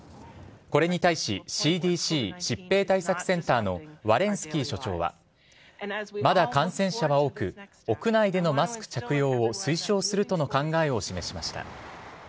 これに対しＣＤＣ＝疾病対策センターのワレンスキー所長はまだ感染者は多く屋内でのマスク着用を推奨するとの考えを示しました。